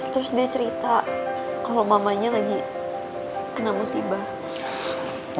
terus dia cerita kalau mamanya lagi kena musibah